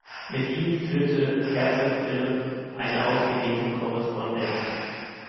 Mit ihm führte Herzog Philipp eine ausgedehnte Korrespondenz.